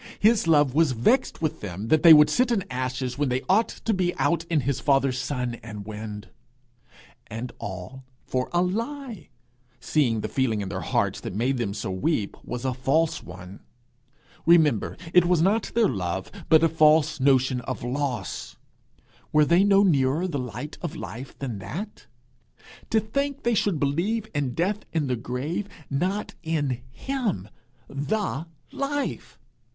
His love was vexed with them that they would sit in ashes when they ought to be out in his father's sun and wind. And all for a lie! since the feeling in their hearts that made them so weep, was a false one. Remember, it was not their love, but a false notion of loss. Were they no nearer the light of life than that? To think they should believe in death and the grave, not in him, the Life!